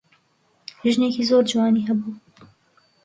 ژنێکی زۆر جوانی هەبوو.